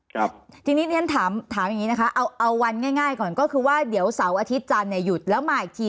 ครับทีนี้เรียนถามถามอย่างงี้นะคะเอาเอาวันง่ายง่ายก่อนก็คือว่าเดี๋ยวเสาร์อาทิตย์จันทร์เนี่ยหยุดแล้วมาอีกที